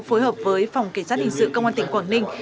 phối hợp với phòng kể sát hình sự công an tỉnh quảng ninh